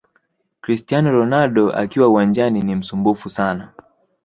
Cristiano Ronaldo akiwa uwanjani ni msumbufu sana